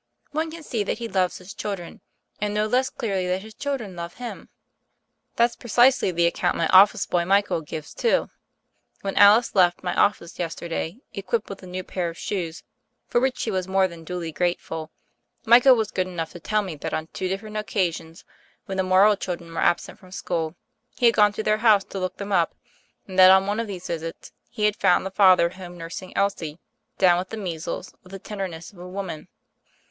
One can see that he loves his children, and no less clearly that his chil dren love him." "That's precisely the account my office boy, Michael, gives, too. When Alice left my of fice yesterday equipped with a new pair of shoes — for which she was more than duly grateful — Michael was good enough to tell me that on two different occasions, when the Morrow children were absent from school, he had gone to their house to look them up ; and that on one of these visits he had found the father home nursing Elsie, down with the measles, with the ten derness of a woman.